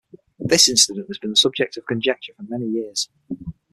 This incident has been the subject of conjecture for many years.